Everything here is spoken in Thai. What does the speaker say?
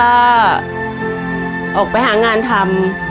ก็ออกไปหางานทำ